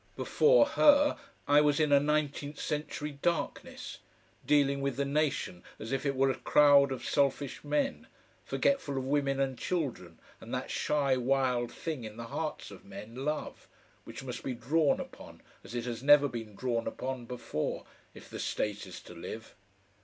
Before her I was in a nineteenth century darkness, dealing with the nation as if it were a crowd of selfish men, forgetful of women and children and that shy wild thing in the hearts of men, love, which must be drawn upon as it has never been drawn upon before, if the State is to live.